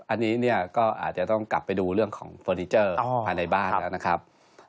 อันนี้เนี่ยก็อาจจะต้องกลับไปดูเรื่องของเฟอร์นิเจอร์ภายในบ้านแล้วนะครับ